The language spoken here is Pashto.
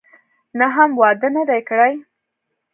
نه، هم واده نه دی کړی.